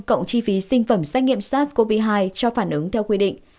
cộng chi phí sinh phẩm xét nghiệm sars cov hai cho phản ứng theo quy định